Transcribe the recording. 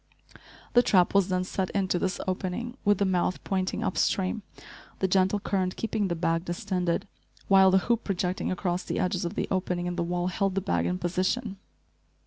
The trap was then set into this opening, with the mouth pointing up stream, the gentle current keeping the bag distended, while the hoop projecting across the edges of the opening in the wall held the bag in position.